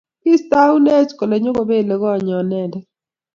Kistuanech kole nyo kobele kot nyon inendet